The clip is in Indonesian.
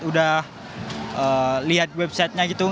udah lihat websitenya gitu